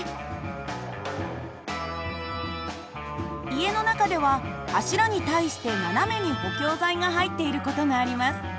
家の中では柱に対して斜めに補強材が入っている事があります。